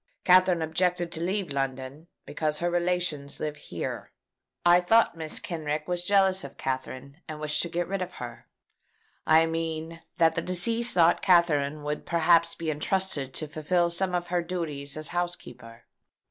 Katherine objected to leave London, because her relations live here. I thought Mrs. Kenrick was jealous of Katherine, and wished to get rid of her. I mean that deceased thought that Katherine would perhaps be entrusted to fulfil some of her duties as housekeeper.